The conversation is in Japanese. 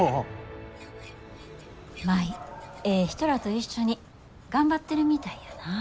舞ええ人らと一緒に頑張ってるみたいやなぁ。